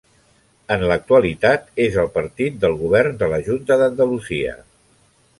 En l'actualitat és el partit del govern de la Junta d'Andalusia.